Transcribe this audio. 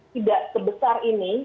tidak sebesar ini